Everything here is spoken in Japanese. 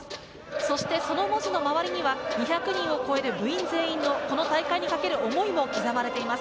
そして、その文字の周りには２００人を超える部員全員の、この大会に懸ける思いも刻まれています。